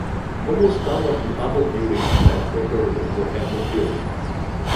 Almost none of the other buildings planned for Berlin were ever built.